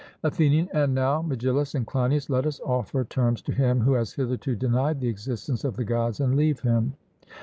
ATHENIAN: And now, Megillus and Cleinias, let us offer terms to him who has hitherto denied the existence of the Gods, and leave him.